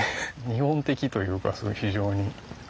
日本的というか非常に。